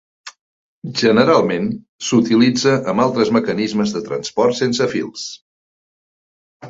Generalment s'utilitza amb altres mecanismes de transport sense fils.